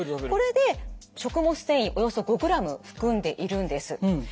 これで食物繊維およそ５ｇ含んでいるんです。